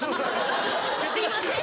すいません。